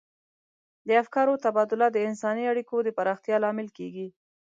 د افکارو تبادله د انساني اړیکو د پراختیا لامل کیږي.